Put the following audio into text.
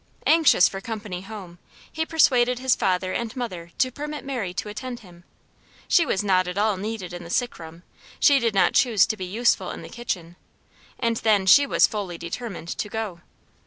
Anxious for company home, he persuaded his father and mother to permit Mary to attend him. She was not at all needed in the sick room; she did not choose to be useful in the kitchen, and then she was fully determined to go.